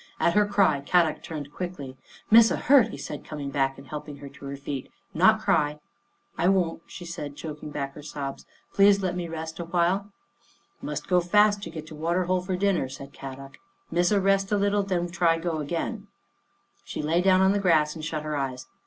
At her cry Kadok turned quickly, " Missa hurt," he said, coming back and help ing her to her feet. " Not cry." " I won't," she said, choking back her sobs. " Please let me rest awhile." " Must go fast to get to water hole for din Jean Finds a Friend 83 ner," said Kadok. " Missa rest a little and then try go again." She lay down on the grass and shut her eyes.